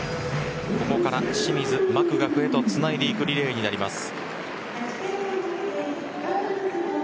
ここから清水、マクガフへとつないでいくリレーになります。